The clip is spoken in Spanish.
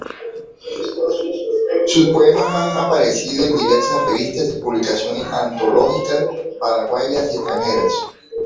Sus poemas han aparecido en diversas revistas y publicaciones antológicas paraguayas y extranjeras.